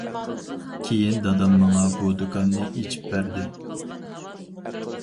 كىيىن دادام ماڭا بۇ دۇكاننى ئېچىپ بەردى.